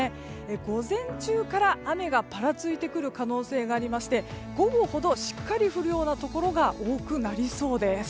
午前中から雨がぱらついてくる可能性がありまして午後ほどしっかり降るようなところが多くなりそうです。